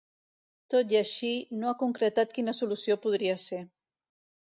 Tot i així, no ha concretat quina solució podria ser.